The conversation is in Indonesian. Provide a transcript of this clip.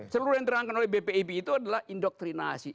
seluruh yang diterangkan oleh bpip itu adalah indoktrinasi